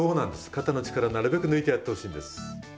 肩の力はなるべく抜いてやってほしいんです。